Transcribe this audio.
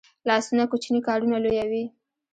لاسونه کوچني کارونه لویوي